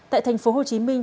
tại thành phố hồ chí minh